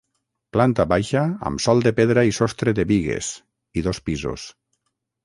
Planta baixa amb sòl de pedra i sostre de bigues, i dos pisos.